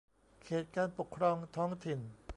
เขตการปกครองท้องถิ่น